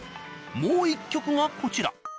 もう１曲がこちら。